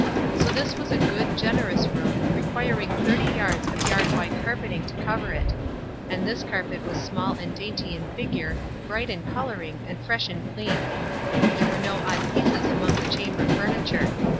So this was a good, generous room, requiring thirty yards of yard wide carpeting to cover it ; and this car pet was small and dainty in figure, bright in col oring, and fresh and clean. There were no odd pieces among the chamber furniture.